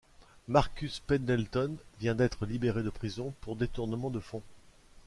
Marcus Pendleton vient d’être libéré de prison pour détournement de fonds.